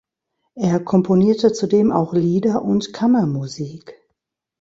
Er komponierte zudem auch Lieder und Kammermusik.